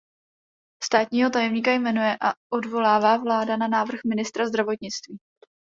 Státního tajemníka jmenuje a odvolává vláda na návrh ministra zdravotnictví.